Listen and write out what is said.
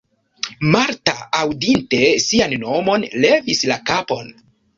Marta, aŭdinte sian nomon, levis la kapon.